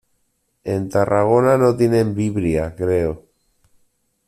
En Tarragona no tienen Vibria, creo.